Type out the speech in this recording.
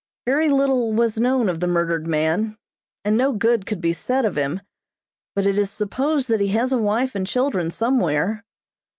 Very little was known of the murdered man, and no good could be said of him, but it is supposed that he has a wife and children somewhere.